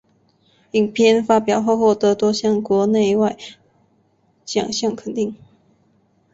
影片发表后获多项国内外奖项肯定。